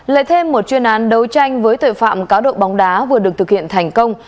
lại thêm một chuyên án đấu tranh với tội phạm cá độ bóng đá vừa được thực hiện thành công